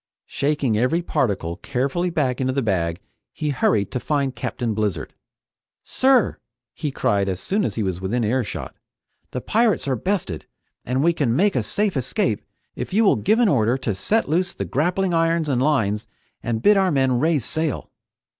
Shaking every particle carefully back into the bag, he hurried to find Captain Blizzard. "Sir!" he cried as soon as he was within earshot, "the pirates are bested, and we can make a safe escape if you will give an order to set loose the grappling irons and lines and bid our men raise sail!"